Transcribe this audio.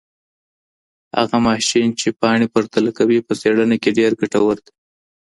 هغه ماشین چي پاڼي پرتله کوي په څېړنه کي ډېر ګټور دی.